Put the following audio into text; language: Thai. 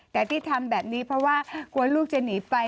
แต่ที่ทำแบบนี้เพราะว่ากลัวลูกจะหนีไป